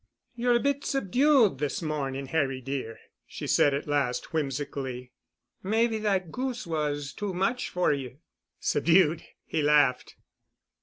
"You're a bit subdued this morning, Harry dear," she said at last, whimsically. "Maybe that goose was too much for you." "Subdued!" he laughed.